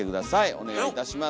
お願いいたします。